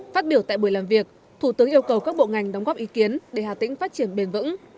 phát biểu tại buổi làm việc thủ tướng yêu cầu các bộ ngành đóng góp ý kiến để hà tĩnh phát triển bền vững